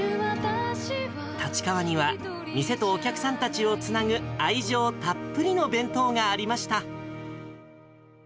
立川には店とお客さんたちをつなぐ、愛情たっぷりの弁当がありました。